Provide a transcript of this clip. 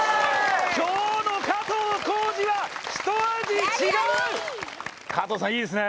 今日の加藤浩次はひと味違う。